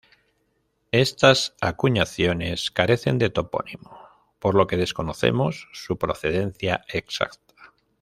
Estas acuñaciones carecen de topónimo, por lo que desconocemos su procedencia exacta.